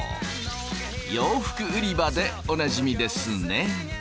洋服売り場でおなじみですね。